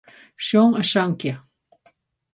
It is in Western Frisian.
Sjong in sankje.